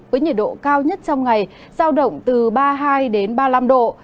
với nhiệt độ cao nhất trong ngày giao động từ ba mươi hai ba mươi năm độ